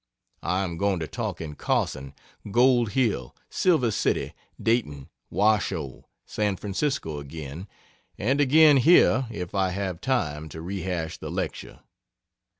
I am going to talk in Carson, Gold Hill, Silver City, Dayton, Washoe, San Francisco again, and again here if I have time to re hash the lecture.